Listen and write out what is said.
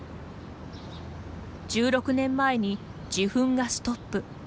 １６年前に自噴がストップ。